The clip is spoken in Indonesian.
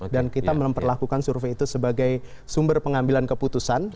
dan kita memperlakukan survei itu sebagai sumber pengambilan keputusan